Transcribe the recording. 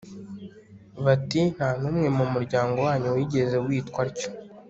bati “ nta n'umwe mu muryango wanyu wigeze witwa atyo?